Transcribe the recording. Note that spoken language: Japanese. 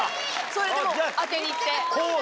それでもう当てにいって。